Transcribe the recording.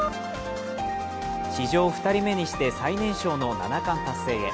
史上２人目にして最年少の七冠達成へ。